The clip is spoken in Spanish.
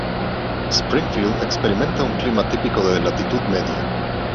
Springfield experimenta un clima típico de latitud media.